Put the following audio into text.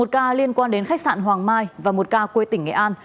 một ca liên quan đến khách sạn hoàng mai và một ca quê tỉnh nghệ an